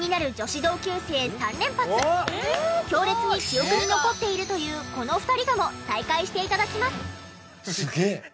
強烈に記憶に残っているというこの２人とも再会して頂きます。